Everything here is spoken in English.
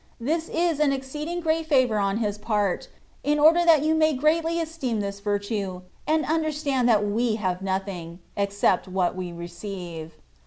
This is an exceeding great favour on His part, in order that you may greatly esteem this virtue, and understand that we have nothing, except what we receive.